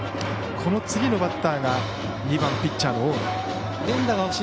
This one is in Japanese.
この次のバッターが２番ピッチャーの大野。